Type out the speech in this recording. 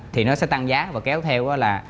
thì nó sẽ tăng giá và kéo theo là